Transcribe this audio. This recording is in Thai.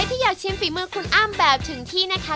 ที่อยากชิมฝีมือคุณอ้ำแบบถึงที่นะคะ